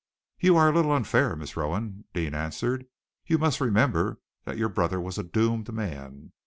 "You are a little unfair, Miss Rowan," Deane answered. "You must remember that your brother was a doomed man."